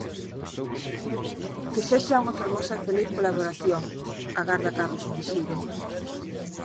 "Que sexa unha fermosa e feliz colaboración", agarda Carlos Meixide.